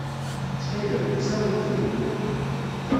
Ttxilem, kkes awennit-nni.